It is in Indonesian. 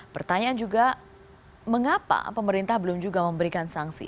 pertanyaan juga mengapa pemerintah belum juga memberikan sanksi